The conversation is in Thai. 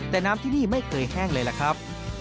แต่น้ำที่นี่ไม่เคยแห้งเลยล่ะครับ